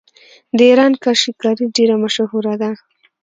د ایران کاشي کاري ډیره مشهوره ده.